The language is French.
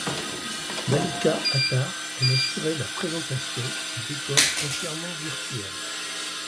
Malika Attar en assurait la présentation en décor entièrement virtuel.